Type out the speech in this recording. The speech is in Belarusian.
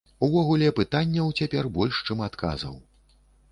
Увогуле, пытанняў цяпер больш, чым адказаў.